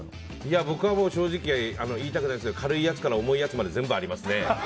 僕は正直言いたくないですけど軽いやつから重いやつまで全部ありますね。